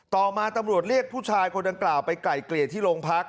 ต่อมาตำรวจเรียกผู้ชายคนดังกล่าวไปไกลเกลี่ยที่โรงพัก